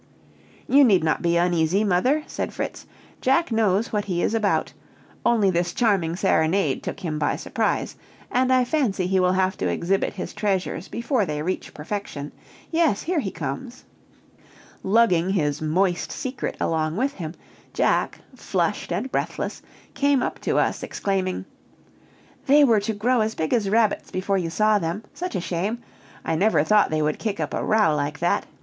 "You need not be uneasy, mother," said Fritz; "Jack knows what he is about; only this charming serenade took him by surprise, and I fancy he will have to exhibit his treasures before they reach perfection. Yes, here he comes!" Lugging his "moist secret" along with him, Jack, flushed and breathless, came up to us, exclaiming: "They were to grow as big as rabbits before you saw them! Such a shame! I never thought they would kick up a row like that.